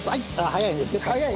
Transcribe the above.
早い。